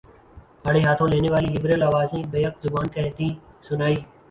آڑے ہاتھوں لینے والی لبرل آوازیں بیک زبان کہتی سنائی